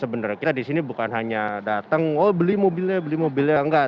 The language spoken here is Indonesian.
sebenarnya kita di sini bukan hanya datang oh beli mobilnya beli mobilnya enggak